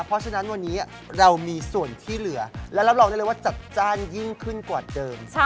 เพราะฉะนั้นวันนี้เรามีส่วนที่เหลือและรับรองได้เลยว่าจัดจ้านยิ่งขึ้นกว่าเดิม